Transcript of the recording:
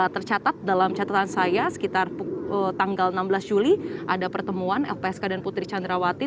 tercatat dalam catatan saya sekitar tanggal enam belas juli ada pertemuan lpsk dan putri candrawati